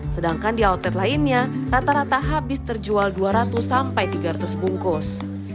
sedangkan di outlet lainnya rata rata habis terjual dua ratus sampai tiga ratus bungkus